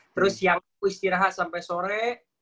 terus siang aku istirahat sampai sore